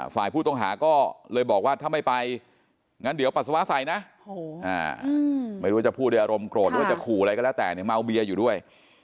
ฝ่ายผู้ต้องหาก็เลยบอกว่าถ้าไม่ไปงั้นเดี๋ยวปัสสาวะใส่นะไม่รู้ว่าจะพูดด้วยอารมณ์โกรธหรือว่าจะขู่อะไรก็แล้วแต่เนี่ยเมาเบียอยู่ด้วย